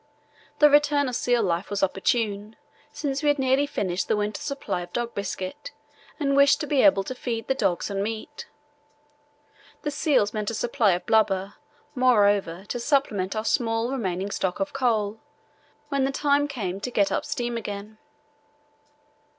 The return of seal life was opportune, since we had nearly finished the winter supply of dog biscuit and wished to be able to feed the dogs on meat. The seals meant a supply of blubber, moreover, to supplement our small remaining stock of coal when the time came to get up steam again.